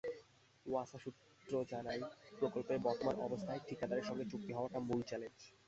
ওয়াসা সূত্র জানায়, প্রকল্পের বর্তমান অবস্থায় ঠিকাদারের সঙ্গে চুক্তি হওয়াটাই মূল চ্যালেঞ্জ।